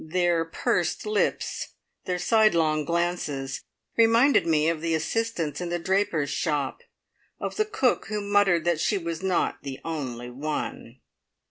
Their pursed lips, their sidelong glances, reminded me of the assistants in the draper's shop; of the cook who muttered that she was not "the only one".